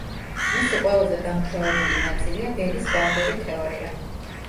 მისი ყველაზე დამუშავებული ნაწილია ველის კვანტური თეორია.